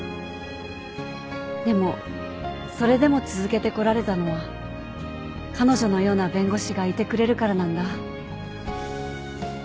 でもそれでも続けてこられたのは彼女のような弁護士がいてくれるからなんだ。